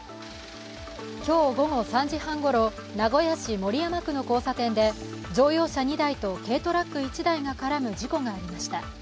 今日午後３時半ごろ、名古屋市守山区の交差点で乗用車２台と軽トラック１台が絡む事故がありました。